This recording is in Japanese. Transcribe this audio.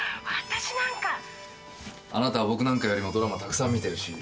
あなたは僕なんかよりもドラマたくさん見てるし。